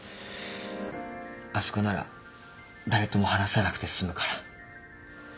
あそこなら誰とも話さなくて済むから。